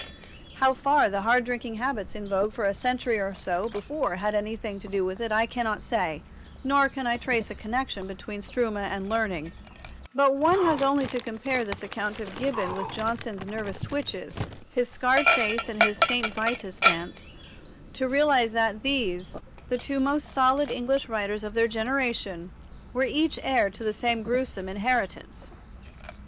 How far the hard drinking habits in vogue for a century or so before had anything to do with it I cannot say, nor can I trace a connection between struma and learning; but one has only to compare this account of Gibbon with Johnson's nervous twitches, his scarred face and his St. Vitus' dance, to realize that these, the two most solid English writers of their generation, were each heir to the same gruesome inheritance.